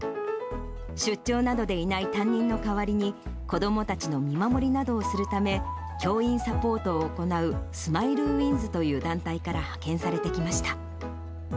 出張などでいない担任の代わりに子どもたちの見守りなどをするため、教員サポートを行う、スマイルウィンズという団体から派遣されてきました。